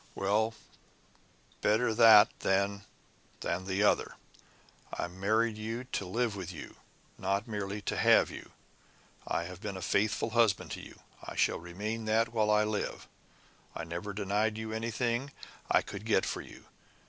Well, better that than than the other! I married you to live with you not merely to have you! I've been a faithful husband to you! I shall remain that while I live. I never denied you anything I could get for you!